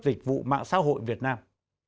dịch vụ mạng xã hội việt nam